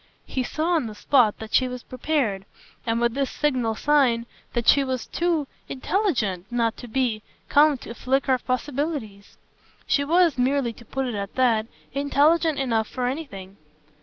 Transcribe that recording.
He saw on the spot that she was prepared, and with this signal sign that she was too intelligent not to be, came a flicker of possibilities. She was merely to put it at that intelligent enough for anything.